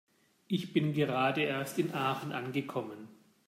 Ich bin gerade erst in Aachen angekommen